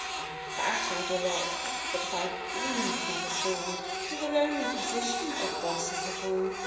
I have battled a lot, But my dream's never soared To the lonely position of Boss of the board.